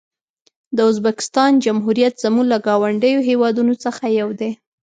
د ازبکستان جمهوریت زموږ له ګاونډیو هېوادونو څخه یو دی.